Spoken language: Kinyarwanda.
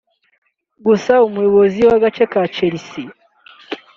gusa umuyobozi w’agace ka Chelsea